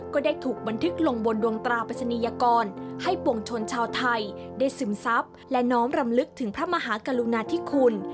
ก็ได้ถูกบันทึกลงบนดวงตราปริศนียกรให้ปวงชนชาวไทยได้ซึมซับและน้อมรำลึกถึงพระมหากรุณาธิคุณ